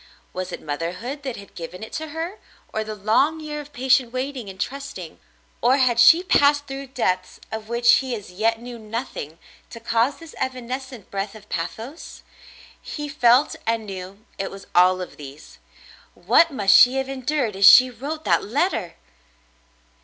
Was it mother hood that had given it to her, or the long year of patient waiting and trusting; or had she passed through depths of which he as yet knew nothing, to cause this evanescent breath of pathos ? He felt and knew it was all of these. What must she have endured as she wrote that letter